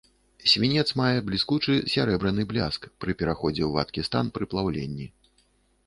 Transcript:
Свінец мае бліскучы сярэбраны бляск, пры пераходзе ў вадкі стан пры плаўленні.